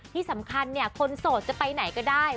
ที่สำคัญเนี่ยคนโสดจะไปไหนก็ได้